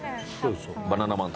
バナナマン